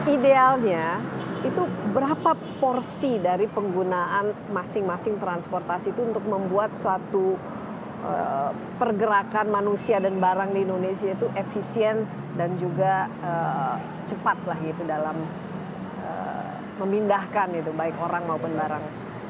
idealnya itu berapa porsi dari penggunaan masing masing transportasi itu untuk membuat suatu pergerakan manusia dan barang di indonesia itu efisien dan juga cepat lah gitu dalam memindahkan itu baik orang maupun barang